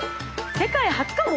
世界初かも！？